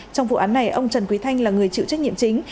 trong vụ án này ông trần quý thanh là người chịu trách nhiệm chính